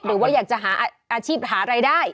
หรือว่าอยากจะหาอาชีพหารายได้